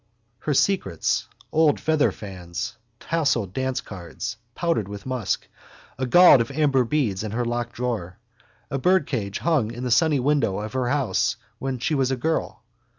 Her secrets: old featherfans, tasselled dancecards, powdered with musk, a gaud of amber beads in her locked drawer. A birdcage hung in the sunny window of her house when she was a girl.